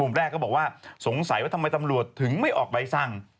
แรกก็บอกว่าสงสัยว่าทำไมตำรวจถึงไม่ออกใบสั่ง